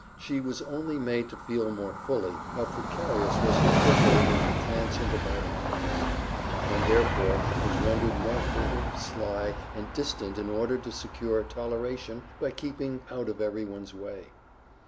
She was only made to feel more fully how precarious was her foothold in her transient abiding place, and therefore was rendered more furtive, sly, and distant in order to secure toleration by keeping out of everyone's way.